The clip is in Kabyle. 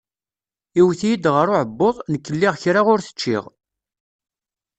Iwet-iyi-d ɣer uɛebbuḍ, nekk lliɣ kra ur t-ččiɣ.